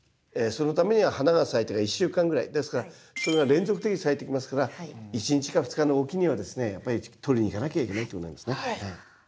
そのためには花が咲いてから１週間ぐらいですからそれが連続的に咲いていきますから１日か２日置きにはですねやっぱり取りに行かなきゃいけないっていうことになりますね。